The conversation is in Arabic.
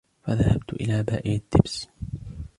فذهبت إلى بائع الدبس